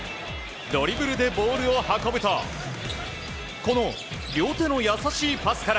ドリブルでボールを運ぶとこの両手の優しいパスから